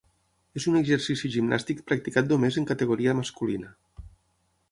És un exercici gimnàstic practicat només en categoria masculina.